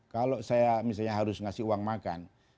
kalau saya misalnya harus ngasih uang makan